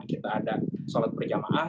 kita ada sholat berjamaah